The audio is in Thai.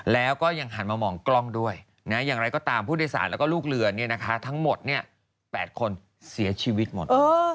แล้วก็ยังหันมามองกล้องด้วยอย่างไรก็ตามผู้โดยสารแล้วก็ลูกเรือทั้งหมด๘คนเสียชีวิตหมด